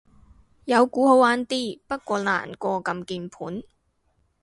有鼓好玩啲，不過難過撳鍵盤